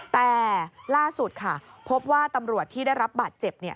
แต่ล่าสุดค่ะพบว่าตำรวจที่ได้รับบาดเจ็บ